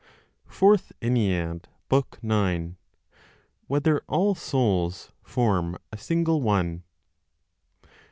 FOURTH ENNEAD, BOOK NINE. Whether All Souls Form a Single One?